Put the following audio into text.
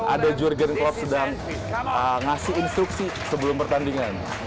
ada jurgen klopp sedang ngasih instruksi sebelum pertandingan